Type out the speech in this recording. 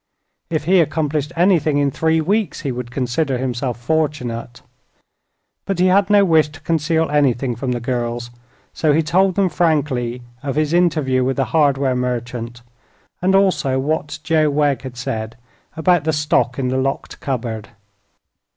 If he accomplished anything in three weeks he would consider himself fortunate. But he had no wish to conceal anything from the girls, so he told them frankly of his interview with the hardware merchant, and also what Joe Wegg had said about the stock in the locked cupboard.